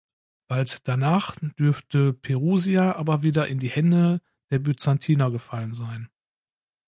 Bald danach dürfte Perusia aber wieder in die Hände der Byzantiner gefallen sein.